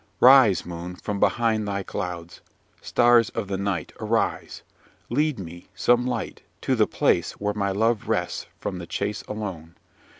"Rise moon! from behind thy clouds. Stars of the night, arise! Lead me, some light, to the place where my love rests from the chase alone!